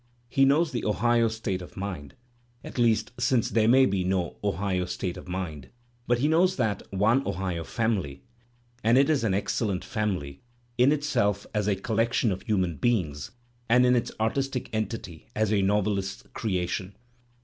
He knows the Ohio state of mind; at least — since there may be no Ohio state of mind — he knows that one Ohio family, and it is an excellent family, in itself as a collection of human beings and in its artistic entity as a novelist's creation.